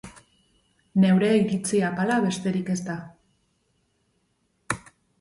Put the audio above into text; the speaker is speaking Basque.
Neure iritzi apala besterik ez da.